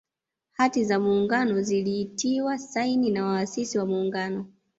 Hati za Muungano zilitiwa saini na waasisi wa Muungano